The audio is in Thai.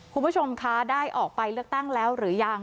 คุณผู้ชมคะได้ออกไปเลือกตั้งแล้วหรือยัง